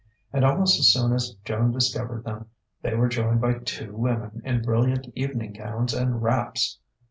And almost as soon as Joan discovered them, they were joined by two women in brilliant evening gowns and wraps.